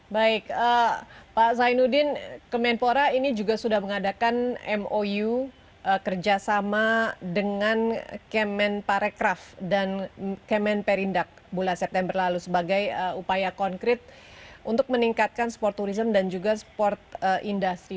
baik pak zainuddin kemenpora ini juga sudah mengadakan mou kerjasama dengan kemen parekraf dan kemen perindak bulan september lalu sebagai upaya konkret untuk meningkatkan sporturism dan juga sport industri